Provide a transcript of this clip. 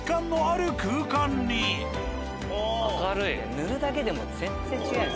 塗るだけでも全然違うね。